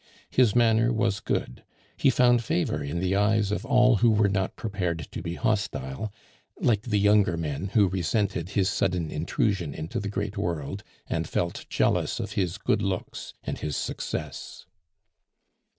His manner was good; he found favor in the eyes of all who were not prepared to be hostile, like the younger men, who resented his sudden intrusion into the great world, and felt jealous of his good looks and his success.